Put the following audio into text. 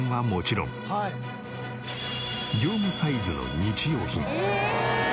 業務サイズの日用品。